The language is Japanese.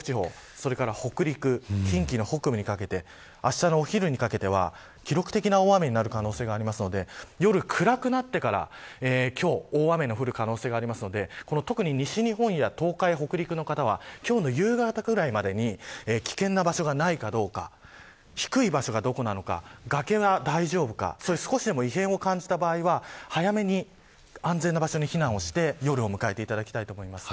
それから北陸近畿や北部にかけてあしたのお昼にかけては記録的な大雨になる可能性がありますので、夜暗くなってから今日、大雨の降る可能性がありますので特に西日本や東海、北陸の方は今日の夕方くらいまでに危険な場所がないかどうか低い場所がどこなのか崖は大丈夫か少しでも異変を感じた場合は早めに安全な場所に避難をして夜を迎えていただきたいと思います。